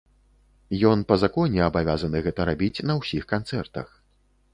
Ён па законе абавязаны гэта рабіць на ўсіх канцэртах.